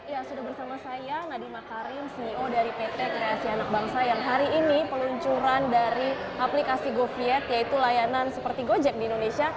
ya sudah bersama saya nadiem makarim ceo dari pt kreasi anak bangsa yang hari ini peluncuran dari aplikasi goviet yaitu layanan seperti gojek di indonesia